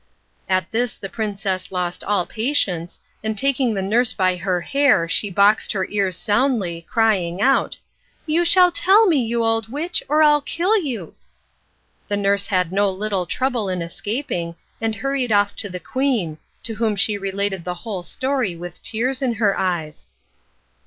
At this the princess lost all patience, and taking the nurse by her hair she boxed her ears soundly, crying out: "You shall tell me, you old witch, or I'll kill you." The nurse had no little trouble in escaping, and hurried off to the queen, to whom she related the whole story with tears in her eyes.